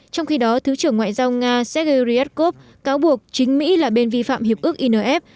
trong khi đó thứ trưởng ngoại giao nga sergei ryabkov cáo buộc chính mỹ là bên vi phạm hiệp ước inf